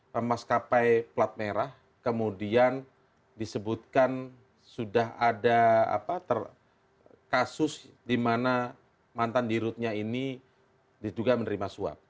pemaskapai plat merah kemudian disebutkan sudah ada kasus di mana mantan dirutnya ini diduga menerima suap